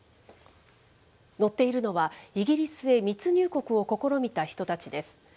乗っているのは、イギリスへ密入国を試みた人たちです。